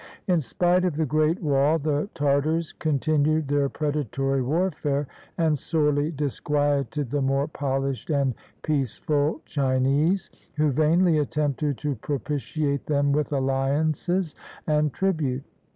In spite of the Great Wall, the Tartars continued their predatory warfare, and sorely dis quieted the more poHshed and peaceful Chinese, who vainly attempted to propitiate them with alliances and tribute.